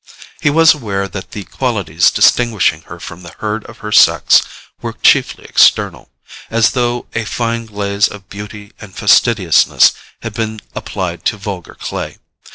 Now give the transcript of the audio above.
He was aware that the qualities distinguishing her from the herd of her sex were chiefly external: as though a fine glaze of beauty and fastidiousness had been applied to vulgar clay.